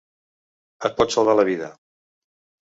Et pot salvar la vida.